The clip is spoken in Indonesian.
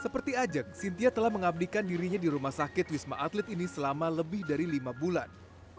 seperti ajeng sintia telah mengabdikan dirinya di rumah sakit wisma atlet ini selama lebih dari lima bulan